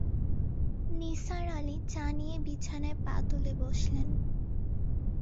নিসার আলি চা নিয়ে বিছানায় পা তুলে বসলেন।